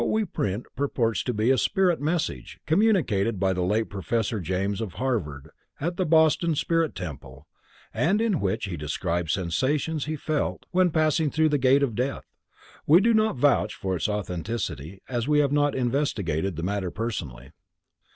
We print what purports to be a spirit message communicated by the late Professor James of Harvard at the Boston spirit temple, and in which he describes sensations which he felt when passing through the gate of death. We do not vouch for its authenticity as we have not investigated the matter personally.